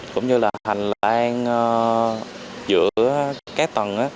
cũng như là hành lan giữa các tầng